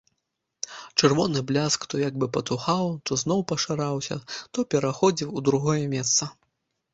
Чырвоны бляск то як бы патухаў, то зноў пашыраўся, то пераходзіў у другое месца.